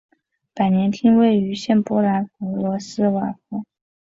百年厅位于现波兰弗罗茨瓦夫。